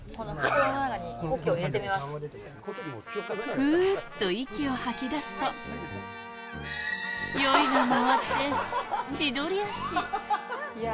フッと息を吐き出すと、酔いが回って千鳥足。